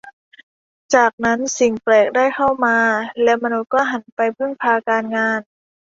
จากนั้นสิ่งแปลกได้เข้ามาและมนุษย์ก็หันไปพึ่งพาการงาน